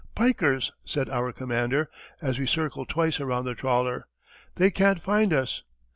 "Pikers!" said our commander, as we circled twice around the trawler; "they can't find us."